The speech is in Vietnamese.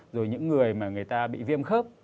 rồi những người mà người ta bị viêm khớp